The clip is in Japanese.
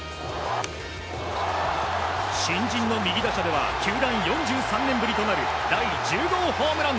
新人の右打者では球団４３年ぶりとなる第１０号ホームラン！